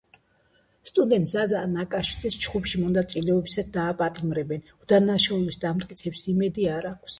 სტუდენტ ზაზა ნაკაშიძეს, ჩხუბში მონაწილეობისთვის დააპატიმრებენ, უდანაშაულობის დამტკიცების იმედი არ აქვს.